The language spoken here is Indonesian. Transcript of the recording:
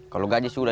kalau gaji sudah